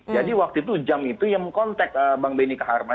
jadi waktu itu jam itu yang mengontak bang beneka harman